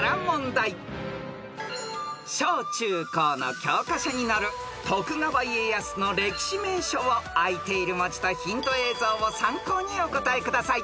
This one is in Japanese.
［小中高の教科書に載る徳川家康の歴史名所をあいている文字とヒント映像を参考にお答えください］